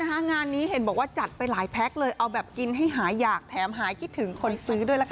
งานนี้เห็นบอกว่าจัดไปหลายแพ็คเลยเอาแบบกินให้หาอยากแถมหายคิดถึงคนซื้อด้วยล่ะค่ะ